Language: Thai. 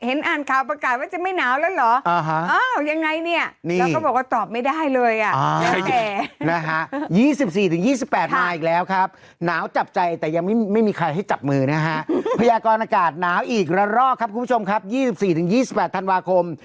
เห็นอ่านข่าวประกาศว่าจะไม่หนาวแล้วเหรอ